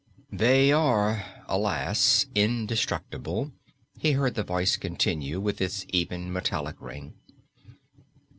"They are, alas, indestructible," he heard the voice continue, with its even, metallic ring.